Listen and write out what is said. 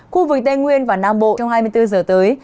khu vực tây nguyên và nam bộ trong hai mươi bốn giờ tới